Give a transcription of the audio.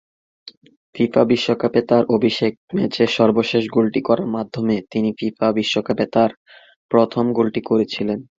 FIFA বিশ্বকাপে তার অভিষেক ম্যাচের সর্বশেষ গোলটি করার মাধ্যমে তিনি ফিফা বিশ্বকাপে তার প্রথম গোলটি করেছিলেন।